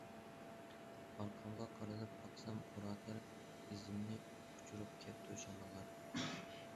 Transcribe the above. ئارقامغا قايرىلىپ باقسام، بۇرادەر، ئىزىمنى ئۆچۈرۈپ كەپتۇ شاماللار.